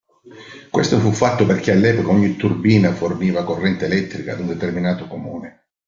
Questo fu fatto perché all'epoca ogni turbina forniva corrente elettrica ad un determinato comune.